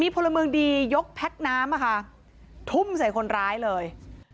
พุลมงอ์ดียกแพ๊กน้ำผุ่มที่คนร้ายเลย